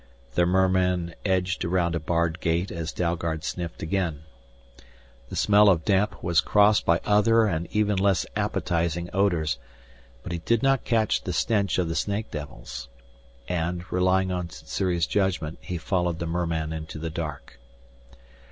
The merman edged around a barred gate as Dalgard sniffed again. The smell of damp was crossed by other and even less appetizing odors, but he did not catch the stench of the snake devils. And, relying on Sssuri's judgment, he followed the merman into the dark.